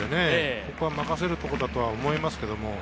ここは任せるところだと思いますけどね。